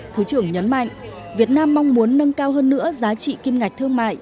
thứ trưởng nhấn mạnh việt nam mong muốn nâng cao hơn nữa giá trị kim ngạch thương mại